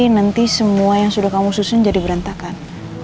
nanti semua yang sudah kamu susun jadi berantakan